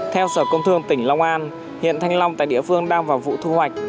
theo sở công thương tỉnh long an hiện thanh long tại địa phương đang vào vụ thu hoạch